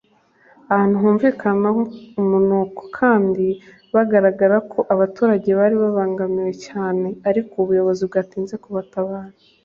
Ahantu humvikana umunuko kandi baragaragara ko abaturage bari babangamiwe cyane ariko ubuyobozi bwatinze kubatabara.